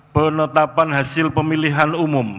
penetapan hasil pemilihan umum